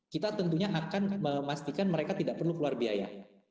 kita tentunya akan memastikan mereka tidak perlu keluar biaya